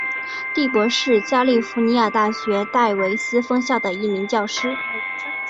第伯是加利福尼亚大学戴维斯分校的一名教师。